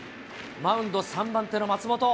マウンド、３番手の松本。